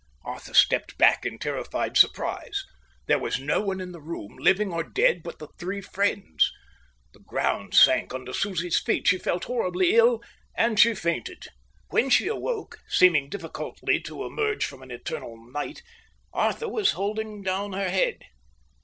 Arthur stepped back in terrified surprise. There was no one in the room, living or dead, but the three friends. The ground sank under Susie's feet, she felt horribly ill, and she fainted. When she awoke, seeming difficultly to emerge from an eternal night, Arthur was holding down her head.